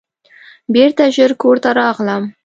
بیرته ژر کور ته راغلم.